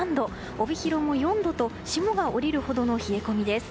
帯広も４度と霜が降りるほどの冷え込みです。